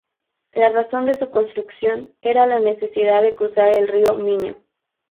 La razón de su construcción era la necesidad de cruzar el río Miño.